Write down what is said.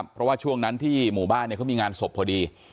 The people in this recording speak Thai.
เพราะว่าช่วงนั้นที่หมู่บ้านเขามีงานศพพอดี